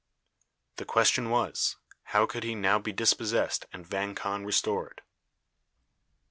The question was, how could he now be dispossessed and Vang Khan restored.